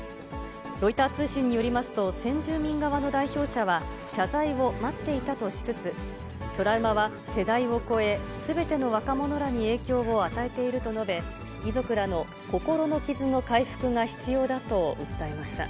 ロイター通信によりますと、先住民側の代表者は、謝罪を待っていたとしつつ、トラウマは世代を超え、すべての若者らに影響を与えていると述べ、遺族らの心の傷の回復が必要だと訴えました。